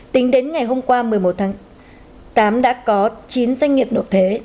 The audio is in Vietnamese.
tính đến ngày hôm qua một mươi một tháng tám đã có chín doanh nghiệp nộp thuế